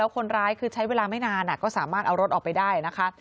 คนร้ายคือใช้เวลาไม่นานก็สามารถเอารถออกไปได้นะคะ